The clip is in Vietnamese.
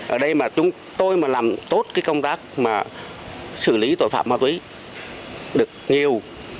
ở đây mà chúng tôi làm tốt công tác xử lý tội phạm ma túy được nhiều